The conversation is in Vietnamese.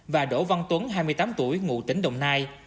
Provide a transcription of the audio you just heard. và đỗ văn tuấn hai mươi tám tuổi ngụ tỉnh đồng nai